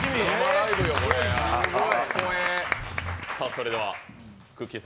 それではくっきー！